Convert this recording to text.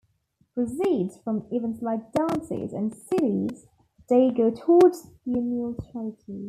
Proceeds from events like dances and civies day go towards the annual charity.